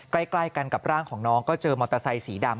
ใกล้กันกับร่างของน้องก็เจอมอเตอร์ไซสีดำ